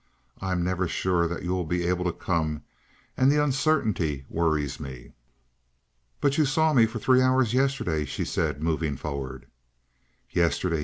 I'm never sure that you will be able to come; and the uncertainty worries me." "But you saw me for three hours yesterday," she said, moving forward. "Yesterday?"